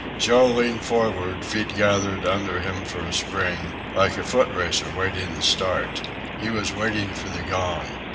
Joe leaned forward, feet gathered under him for a spring, like a foot racer waiting the start. He was waiting for the gong.